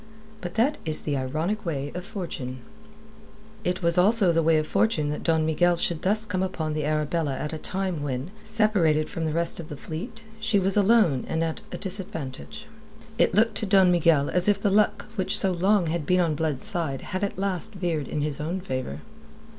But that is the ironic way of Fortune. It was also the way of Fortune that Don Miguel should thus come upon the Arabella at a time when, separated from the rest of the fleet, she was alone and at a disadvantage. It looked to Don Miguel as if the luck which so long had been on Blood's side had at last veered in his own favour.